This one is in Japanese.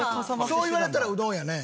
そう言われたらうどんやね。